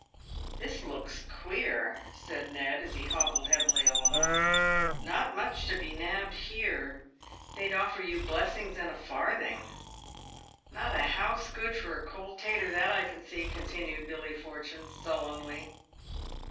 " This looks queer," said Ned, as he hobbled heavily along. "Not much to be nabbed here. They'd offer you blessings and a farthing." " Not a house good for a cold tater, that I can see," continued Billy Fortune, sullenly.